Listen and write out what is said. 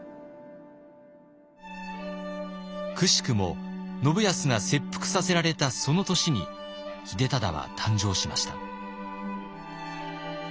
くしくも信康が切腹させられたその年に秀忠は誕生しました。